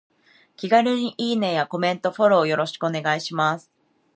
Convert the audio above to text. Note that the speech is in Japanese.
気軽にいいねやコメント、フォローよろしくお願いします。